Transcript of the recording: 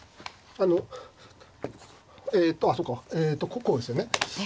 あのえとあっそうかえとこうですよね。